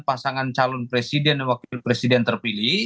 pasangan calon presiden dan wakil presiden terpilih